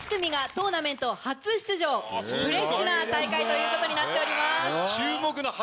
フレッシュな大会ということになっております。